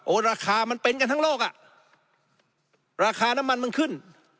ราคามันเป็นกันทั้งโลกอ่ะราคาน้ำมันมันขึ้น